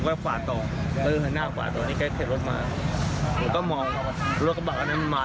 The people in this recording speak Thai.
บอกว่าไม่ทันว่าเข้ามาแนกแกเป็นไง